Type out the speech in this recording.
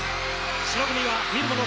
白組は見るもの